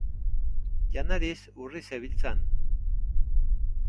Janariz urri zebiltzan.